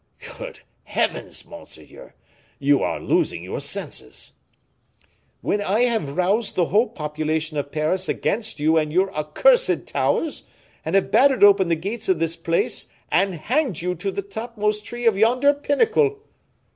"Good heavens, monseigneur, you are losing your senses." "When I have roused the whole population of Paris against you and your accursed towers, and have battered open the gates of this place, and hanged you to the topmost tree of yonder pinnacle!"